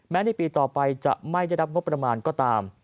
ในปีต่อไปจะไม่ได้รับงบประมาณก็ตาม